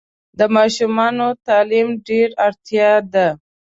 د ماشومانو تعلیم ډېره اړتیا ده.